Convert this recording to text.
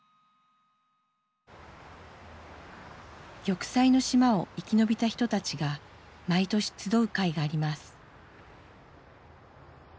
玉砕の島を生き延びた人たちが毎年集う会があります。